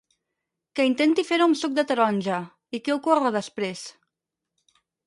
Que intenti fer-ho amb suc de taronja, i què ocorre després?